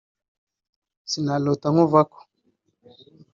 ’Sinarota Nkuvako’